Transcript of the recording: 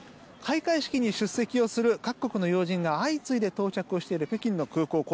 開会式に出席する各国の要人が相次いで到着している北京の空港。